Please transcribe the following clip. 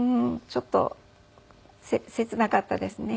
ちょっと切なかったですね。